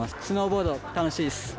スノーボード楽しいっす。